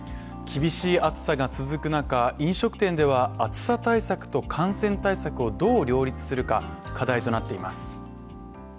厳しい暑さが続く中、飲食店では暑さ対策と感染対策をどう両立するか課題となっています。